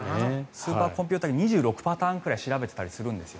スーパーコンピューターで２６パターンくらい調べてたりするんですよ。